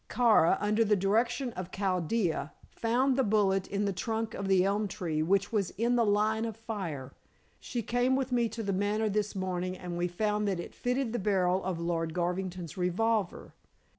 "Kara, under the direction of Chaldea, found the bullet in the trunk of the elm tree which was in the line of fire. She came with me to The Manor this morning, and we found that it fitted the barrel of Lord Garvington's revolver.